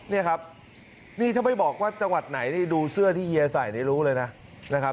นี่ครับถ้าไม่บอกว่าจังหวัดไหนดูเสื้อที่เฮียใส่ไม่รู้เลยนะ